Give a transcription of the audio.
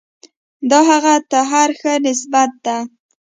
دا هغه ته د هر ښه نسبت ده.